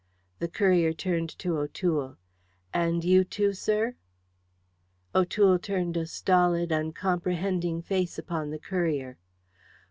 The courier turned to O'Toole. "And you too, sir?" O'Toole turned a stolid, uncomprehending face upon the courier.